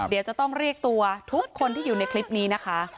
เดี๋ยวจะต้องเรียกตัวทุกคนที่อยู่ในคลิปนี้นะคะ